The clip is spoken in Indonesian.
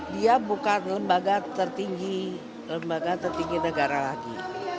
dia bukan lembaga tertinggi negara lagi